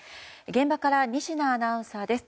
現場から仁科アナウンサーです。